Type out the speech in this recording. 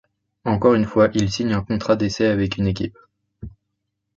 Encore une fois, il signe un contrat d'essai avec une équipe.